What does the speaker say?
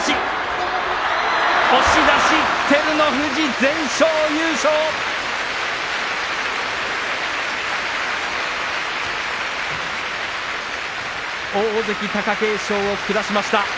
拍手大関貴景勝を下しました。